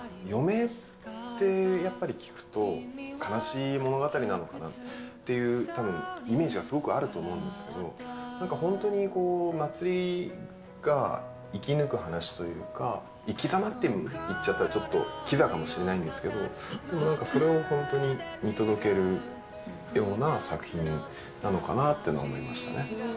余命って、やっぱり聞くと、悲しい物語なのかなっていう、たぶん、イメージはすごくあると思うんですけど、なんか本当にこう、茉莉が生き抜く話というか、生きざまって言っちゃったらちょっとキザかもしれないんですけど、なんかそれを本当に見届けるような作品なのかなっていうのは思い